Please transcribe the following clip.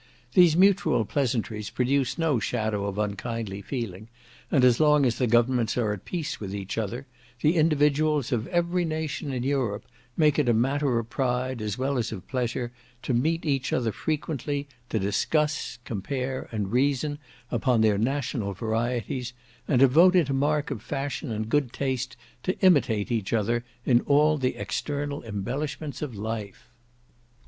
These mutual pleasantries produce no shadow of unkindly feeling; and as long as the governments are at peace with each other, the individuals of every nation in Europe make it a matter of pride, as well as of pleasure, to meet each other frequently, to discuss, compare, and reason upon their national varieties, and to vote it a mark of fashion and good taste to imitate each other in all the external embellishments of life.